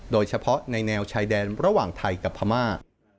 โดยเฉพาะในแนวชายแดนระหว่างไทยกับพม่า